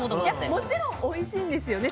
もちろんおいしいんですよね。